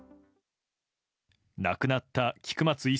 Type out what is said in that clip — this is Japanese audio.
亡くなった菊松１